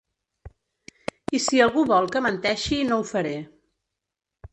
I si algú vol que menteixi no ho faré.